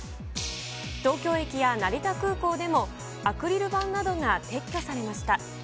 東京駅や成田空港でも、アクリル板などが撤去されました。